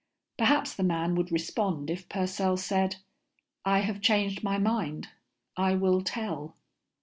Perhaps the man would respond if Purcell said, "I have changed my mind. I will tell."